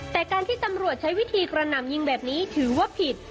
แต่การที่ตำรวจใช้วิธีกระหน่ำยิงแบบนี้ถือว่าผิด